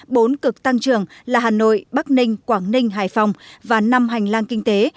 bốn cực tăng trưởng là hà nội bắc ninh quảng ninh hải phòng và năm hành lang kinh tế